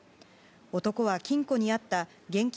男は金庫にあった現金